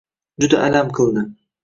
Juda alam qildi